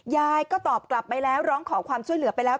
ยายก็ตอบกลับไปแล้วร้องขอความช่วยเหลือไปแล้ว